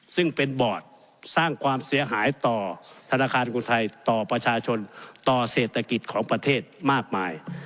ซึ่งเป็นบอร์ดสร้างความเสียหายต่อธนาคารกรุไทยต่อประชาชนต่อเศรษฐกิจของประเทศมากมาย